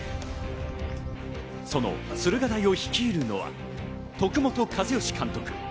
その駿河台を率いるのは徳本一善監督。